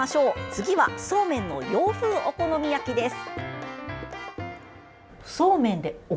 次はそうめんの洋風お好み焼きです。